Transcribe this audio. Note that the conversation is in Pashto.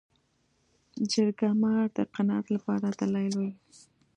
جرګه مار د قناعت لپاره دلایل وايي